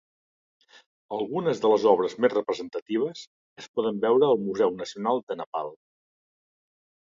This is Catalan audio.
Algunes de les obres més representatives es poden veure al Museu Nacional del Nepal.